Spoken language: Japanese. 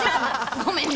ごめんね。